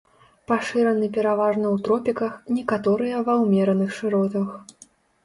Пашыраны пераважна ў тропіках, некаторыя ва ўмераных шыротах.